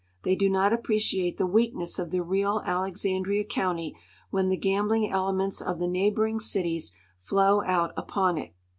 They do not ai)preciate the Aveakness of the real Alexandria county Avhen the gambling ele ments of the neighboring cities floAV out upon it.